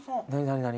何？